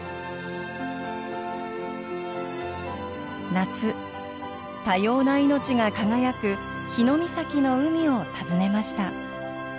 夏多様な命が輝く日御碕の海を訪ねました。